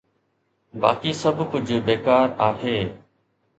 باقي سڀ ڪجهه بيڪار آهي.